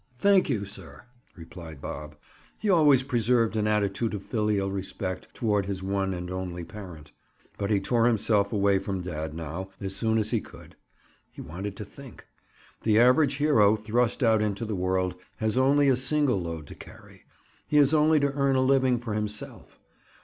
"Thank you, sir," replied Bob. He always preserved an attitude of filial respect toward his one and only parent. But he tore himself away from dad now as soon as he could. He wanted to think. The average hero, thrust out into the world, has only a single load to carry. He has only to earn a living for himself.